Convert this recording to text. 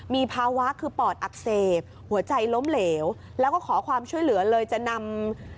มีภาวะคือปอดอักเสบหัวใจล้มเหลวแล้วก็ขอความช่วยเหลือเลยจะนำ